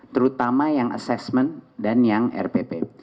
terutama yang assessment dan yang rpp